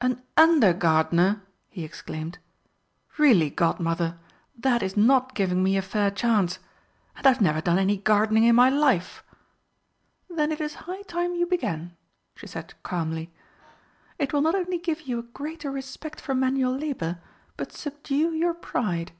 "An under gardener!" he exclaimed. "Really, Godmother, that is not giving me a fair chance! And I've never done any gardening in my life!" "Then it is high time you began," she said calmly. "It will not only give you a greater respect for manual labour, but subdue your pride."